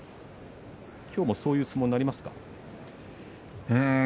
今日もそういう相撲になりますか。